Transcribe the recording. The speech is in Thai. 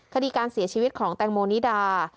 คดีการเสียชีวิตของแตงโมนิดา